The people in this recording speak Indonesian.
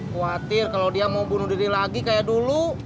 khawatir kalau dia mau bunuh diri lagi kayak dulu